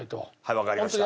わかりました。